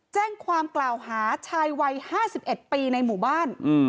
แจ้งความกล่าวหาชายวัย๕๑ปีในหมู่บ้าน